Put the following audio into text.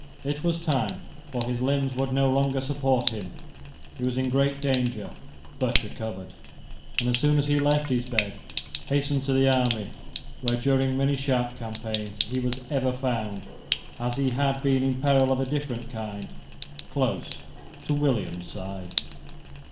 It was time: for his limbs would no longer support him. He was in great danger, but recovered, and, as soon as he left his bed, hastened to the army, where, during many sharp campaigns, he was ever found, as he had been in peril of a different kind, close to William's side.